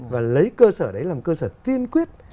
và lấy cơ sở đấy làm cơ sở tiên quyết